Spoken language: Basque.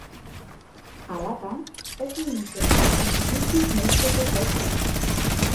Halatan, ez nintzen hitzak guztiz neurtzeko gauza izan.